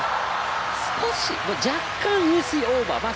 少し、若干、入水オーバー。